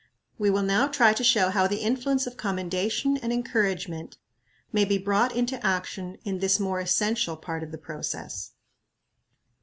We will now try to show how the influence of commendation and encouragement may be brought into action in this more essential part of the process.